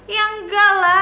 ya enggak lah